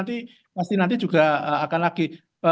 nanti pasti nanti juga akan lagi